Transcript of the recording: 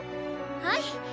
はい。